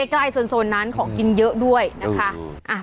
ใกล้ส่วนนั้นของกินเยอะด้วยนะคะ